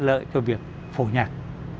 lợi cho việc phổ nhạc